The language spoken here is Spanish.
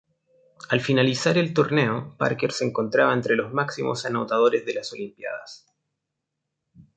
Al finalizar el torneo, Parker se encontraba entre los máximos anotadores de las olimpiadas.